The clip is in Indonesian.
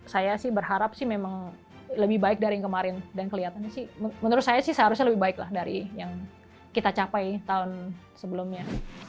saya sih berharap sih memang lebih baik dari yang kemarin dan kelihatannya sih menurut saya sih seharusnya lebih baik lah dari yang kita capai tahun sebelumnya